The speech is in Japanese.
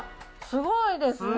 すごいですね。